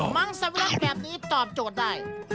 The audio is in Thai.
มังสำลักแบบนี้ตอบโจทย์ได้